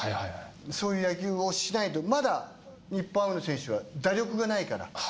そういう野球をしないとまだ日本ハムの選手は打力がないから。